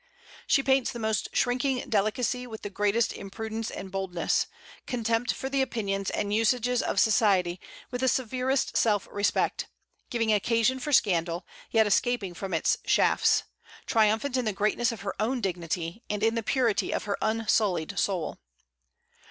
She paints the most shrinking delicacy with the greatest imprudence and boldness, contempt for the opinions and usages of society with the severest self respect; giving occasion for scandal, yet escaping from its shafts; triumphant in the greatness of her own dignity and in the purity of her unsullied soul.